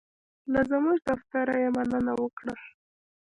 له زمونږ دفتر یې مننه وکړه.